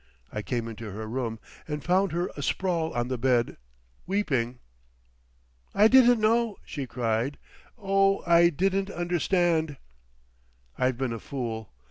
I came into her room, and found her asprawl on the bed, weeping. "I didn't know," she cried. "Oh! I didn't understand!" "I've been a fool.